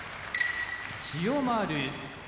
千代丸